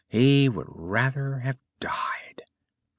He would rather have died.